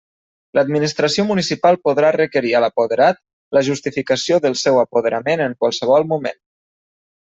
L'administració municipal podrà requerir a l'apoderat la justificació del seu apoderament en qualsevol moment.